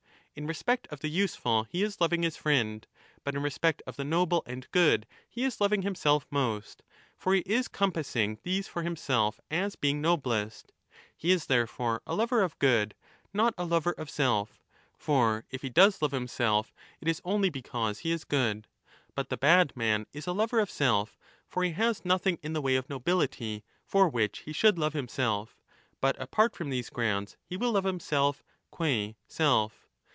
In respect of the useful he is loving his friend, but in respect of the noble and good he is loving himself most ; for he is compassing these for himself as being noblest. He is therefore a lover of good, not a lover of self. For, if he does love himself, it is only because he is good. But the bad man is a lover of self. For he has 20 nothing in the way of nobility for which he should love himself, but apart from these grounds he will love himself qua self.